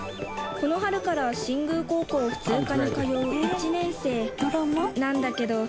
「この春から新宮高校普通科に通う１年生なんだけど」